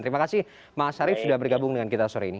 terima kasih mas arief sudah bergabung dengan kita sore ini